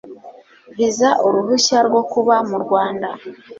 viza uruhushya rwo kuba mu Rwanda